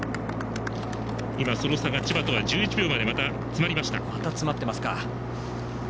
その差が千葉とは１１秒まで詰まりました。